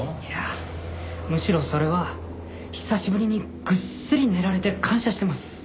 いやむしろそれは久しぶりにぐっすり寝られて感謝してます。